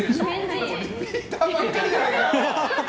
リピーターばっかりじゃないか。